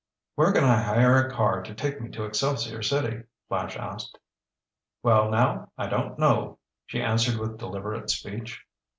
"Where can I hire a car to take me to Excelsior City?" Flash asked. "Well, now, I don't know," she answered with deliberate speech.